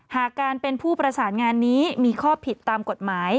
หากการเป็นผู้ประสานงานนี้มีข้อผิดตามกฎหมาย